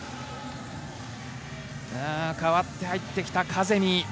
代わって入ってきたカゼミ。